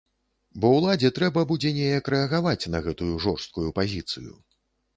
Бо ўладзе трэба будзе неяк рэагаваць на гэтую жорсткую пазіцыю.